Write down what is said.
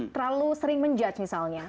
terlalu sering menjudge misalnya